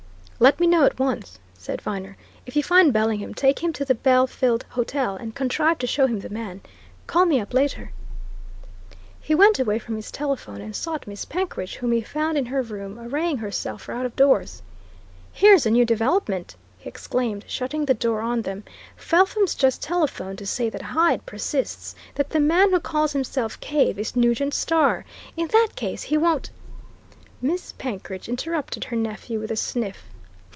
"Let me know at once," said Viner. "If you find Bellingham, take him to the Belfield Hotel and contrive to show him the man. Call me up later." He went away from his telephone and sought Miss Penkridge, whom he found in her room, arraying herself for out of doors. "Here's a new development!" he exclaimed, shutting the door on them. "Felpham's just telephoned to say that Hyde persists that the man who calls himself Cave is Nugent Starr! In that case, he won't " Miss Penkridge interrupted her nephew with a sniff.